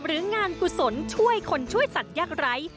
หรืองานกุศลช่วยคนช่วยสัตว์ยากไร้